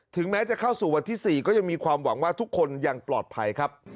แม้จะเข้าสู่วันที่๔ก็ยังมีความหวังว่าทุกคนยังปลอดภัยครับ